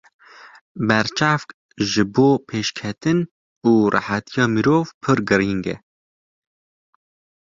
Berçavk ji bo pêşketin û rehetiya mirov pir girîng e.